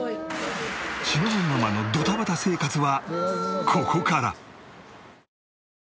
しのぶママのドタバタ生活はここから。